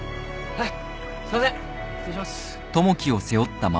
はいすいません失礼します。